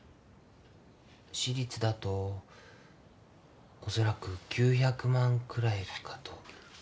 私立だと恐らく９００万くらいかと。